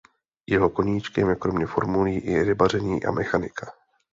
Jeho koníčkem je kromě formulí i rybaření a mechanika.